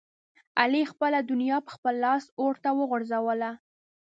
علي خپله دنیا په خپل لاس اورته وغورځوله.